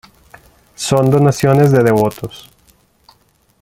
Son donaciones de devotos.